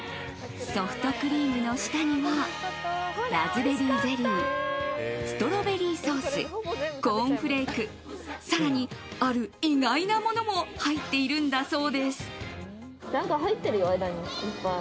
ソフトクリームの下にはラズベリーゼリーストロベリーソースコーンフレーク更に、ある意外なものも何か入ってるよ？